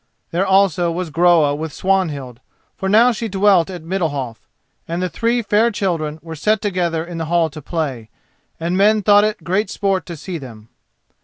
There also was Groa with Swanhild, for now she dwelt at Middalhof; and the three fair children were set together in the hall to play, and men thought it great sport to see them.